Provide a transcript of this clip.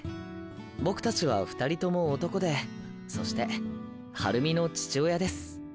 僕たちは２人とも男でそしてハルミの父親です。